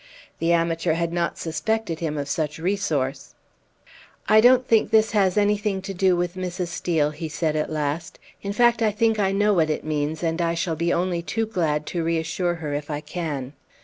The amateur had not suspected him of such resource. "I don't think this has anything to do with Mrs. Steel," he said at last; "in fact, I think I know what it means, and I shall be only too glad to reassure her, if I can."